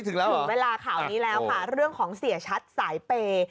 ถึงแล้วถึงเวลาข่าวนี้แล้วค่ะเรื่องของเสียชัดสายเปย์